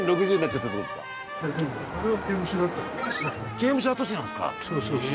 刑務所跡地なんですか。